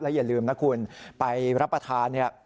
อย่าลืมนะคุณไปรับประทานเนี่ย